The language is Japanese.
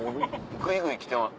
ぐいぐい来てます。